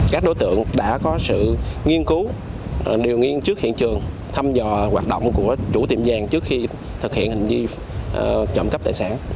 các đối tượng đã có sự nghiên cứu điều nghiên trước hiện trường thăm dò hoạt động của chủ tiệm vàng trước khi thực hiện hành vi trộm cắp tài sản